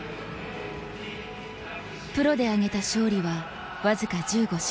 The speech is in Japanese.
プロで挙げた勝利は、僅か１５勝。